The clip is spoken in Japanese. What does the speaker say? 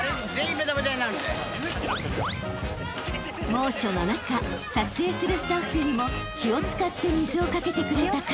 ［猛暑の中撮影するスタッフにも気を使って水を掛けてくれた彼］